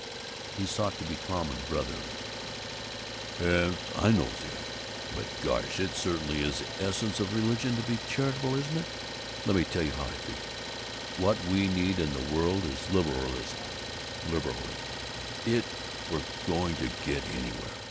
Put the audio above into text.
He sought to be calm and brotherly: "Yes, I know, Zilla. But gosh, it certainly is the essence of religion to be charitable, isn't it? Let me tell you how I figure it: What we need in the world is liberalism, liberality, if we're going to get anywhere.